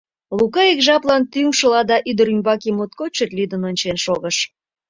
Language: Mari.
Лука ик жаплан тӱҥшыла да ӱдыр ӱмбаке моткоч чот лӱдын ончен шогыш.